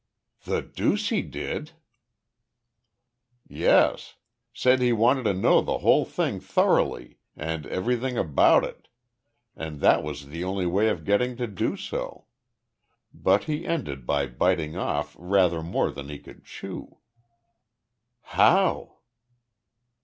"The deuce he did!" "Yes. Said he wanted to know the whole thing thoroughly, and everything about it, and that was the only way of getting to do so. But he ended by biting off rather more than he could chew." "How?"